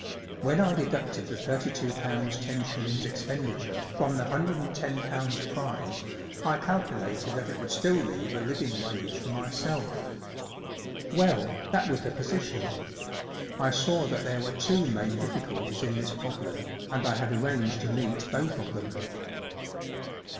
When I deducted the thirty two pounds ten shillings expenditure from the hundred and ten pounds prize, I calculated that it would still leave a living wage for myself. Well, that was the position. I saw that there were two main difficulties in this problem, and I had arranged tp meet both of them."